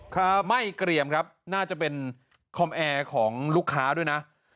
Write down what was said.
ครับไหม้เกรียมครับน่าจะเป็นคอมแอร์ของลูกค้าด้วยนะ